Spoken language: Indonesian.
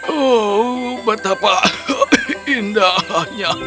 oh betapa indahnya